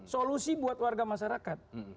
solusi buat warga masyarakat